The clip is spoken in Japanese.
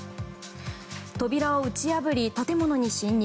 扉を撃ち破り、建物に侵入。